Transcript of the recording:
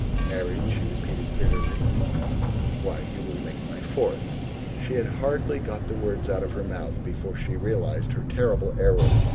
"Married," she repeated bitterly; "why, you will make my fourth!" She had hardy got the words out of her mouth before she realized her terrible error.